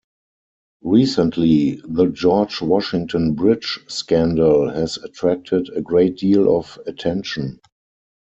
Recently, the George Washington Bridge scandal has attracted a great deal of attention.